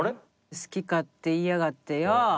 好き勝手言いやがってよ。